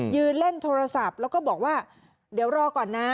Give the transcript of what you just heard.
ยืนเล่นโทรศัพท์แล้วก็บอกว่าเดี๋ยวรอก่อนนะ